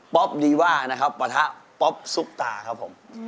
ป๊อปดีว่าปะทะป๊อปซุปตาครับผม